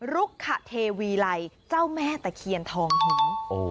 รุกขเทวีไลเจ้าแม่ตะเคียนทองหิน